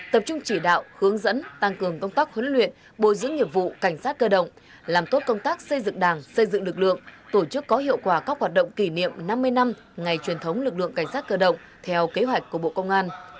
tập trung chỉ đạo hướng dẫn tăng cường công tác huấn luyện bồi dưỡng nghiệp vụ cảnh sát cơ động làm tốt công tác xây dựng đảng xây dựng lực lượng tổ chức có hiệu quả các hoạt động kỷ niệm năm mươi năm ngày truyền thống lực lượng cảnh sát cơ động theo kế hoạch của bộ công an